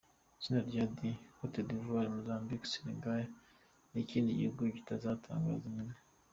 Itsinda rya D: Côte d’Ivoire, Mozambique, Sénégal n’ikindi gihugu kizatangazwa nyuma.